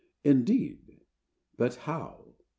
Indeed! but how?